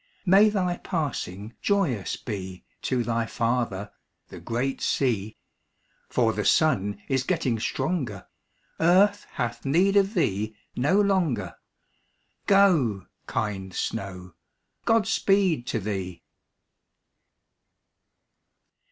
May thy passing joyous be To thy father, the great sea, For the sun is getting stronger; Earth hath need of thee no longer; Go, kind snow, God speed to thee!